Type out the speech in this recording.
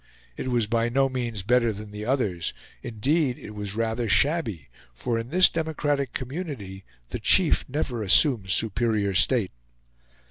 It was by no means better than the others; indeed, it was rather shabby; for in this democratic community, the chief never assumes superior state.